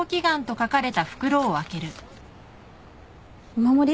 お守り？